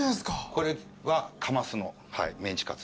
これはカマスのメンチカツ。